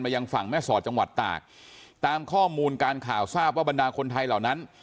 ยังฝั่งแม่สอดจังหวัดตากตามข้อมูลการข่าวทราบว่าบรรดาคนไทยเหล่านั้น